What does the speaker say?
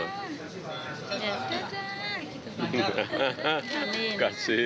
ya terima kasih